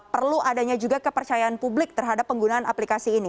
perlu adanya juga kepercayaan publik terhadap penggunaan aplikasi ini